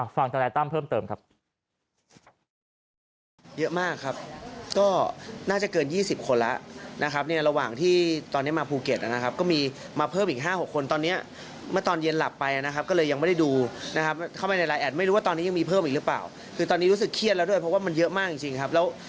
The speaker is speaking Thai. ฟังแต่ลายตั้มเพิ่มเติมครับ